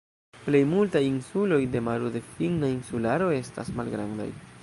Plej multaj insuloj de Maro de Finna insularo estas malgrandaj.